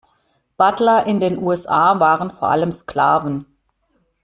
Butler in den U S A waren vor allem Sklaven.